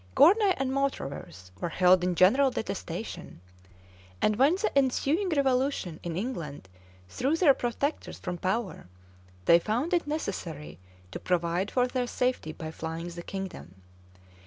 Gournay and Mautravers were held in general detestation, and when the ensuing revolution in England threw their protectors from power, they found it necessary to provide for their safety by flying the kingdom.